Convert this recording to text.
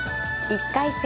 １回戦